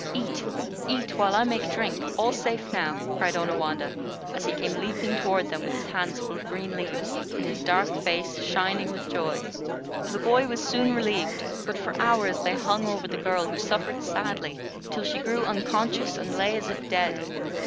"Eat, eat, while I make drink. All safe now," cried Onawandah, as he came leaping toward them with his hands full of green leaves, and his dark face shining with joy. The boy was soon relieved, but for hours they hung over the girl, who suffered sadly, till she grew unconscious and lay as if dead.